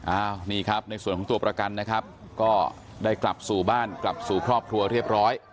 อ้าวนี่ครับในส่วนของตัวประกันนะครับก็ได้กลับสู่บ้านกลับสู่ครอบครัวเรียบร้อย